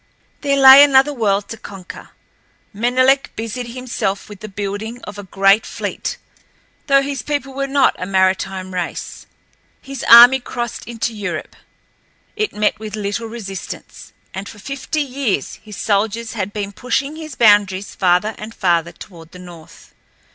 There lay another world to conquer. Menelek busied himself with the building of a great fleet, though his people were not a maritime race. His army crossed into Europe. It met with little resistance, and for fifty years his soldiers had been pushing his boundaries farther and farther toward the north.